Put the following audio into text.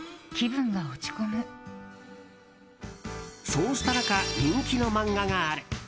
そうした中、人気の漫画がある。